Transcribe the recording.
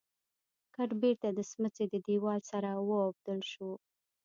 ګټ بېرته د سمڅې د دېوال سره واوبدل شو.